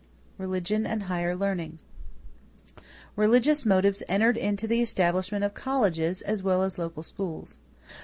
=Religion and Higher Learning.= Religious motives entered into the establishment of colleges as well as local schools.